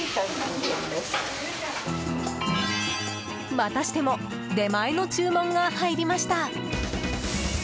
またしても出前の注文が入りました。